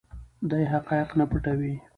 دی حقایق نه پټوي.